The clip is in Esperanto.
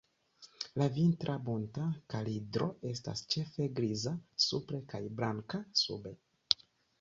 La vintra Bunta kalidro estas ĉefe griza supre kaj blanka sube.